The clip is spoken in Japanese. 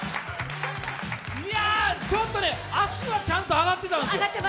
いや、ちょっと足はちゃんと上がってたんですよ。